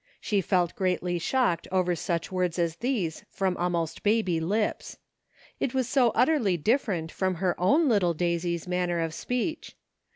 She felt greatly shocked over such words as these from almost baby lips. It was so utterly differ ent from her own little Daisy's manner of speech.